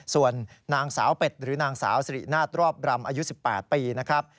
ส่วนนางสาวเป็ดหรือนางสาวสิรินาทรอบรำอายุ๑๘ปีนะครับ